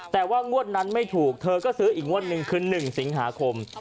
แต่ว่างวดนั้นไม่ถูกเธอก็ซื้ออีกงวดหนึ่งคือ๑สิงหาคม